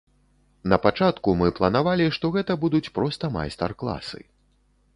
Напачатку мы планавалі, што гэта будуць проста майстар-класы.